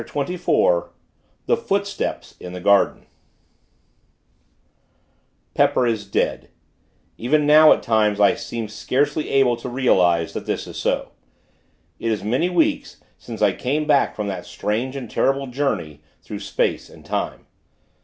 XXIV THE FOOTSTEPS IN THE GARDEN Pepper is dead! Even now, at times, I seem scarcely able to realize that this is so. It is many weeks, since I came back from that strange and terrible journey through space and time.